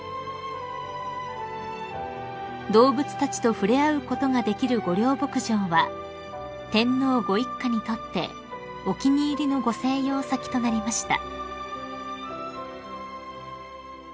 ［動物たちと触れ合うことができる御料牧場は天皇ご一家にとってお気に入りのご静養先となりました］